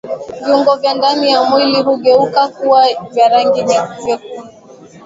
Viungo vya ndani ya mwili hugeuka kuwa vya rangi vyekundu